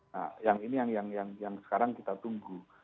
nah ini yang sekarang kita tunggu